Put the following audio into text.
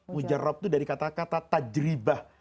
mujarob itu dari kata kata tajribah